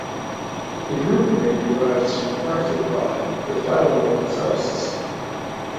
The group name derives from "art"hr"o"pod the phylum of its hosts.